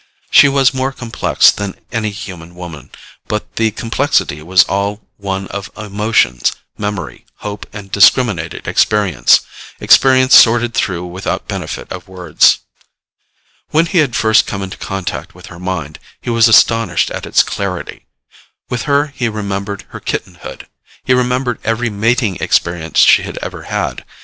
She was more complex than any human woman, but the complexity was all one of emotions, memory, hope and discriminated experience experience sorted through without benefit of words. When he had first come into contact with her mind, he was astonished at its clarity. With her he remembered her kittenhood. He remembered every mating experience she had ever had.